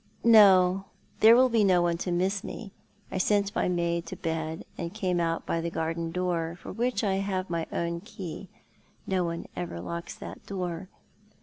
" No, there will be no one to miss me. I sent my maid to bed, and came out by the garden door, for which I have my own'key. No one ever locks that door.